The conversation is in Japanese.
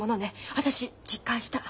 私実感した。